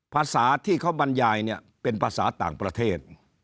ภาษาที่เขาบรรยายเนี่ยเป็นภาษาต่างประเทศ